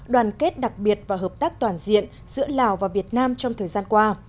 đoàn kết đặc biệt và hợp tác toàn diện giữa lào và việt nam trong thời gian qua